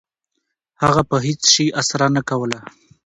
هغه په هیڅ شي اسره نه کوله. .